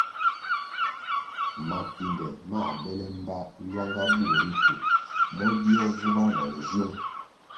Mapinde mā bele mbpa lwanga bur ritu mo gio vubah na nziung.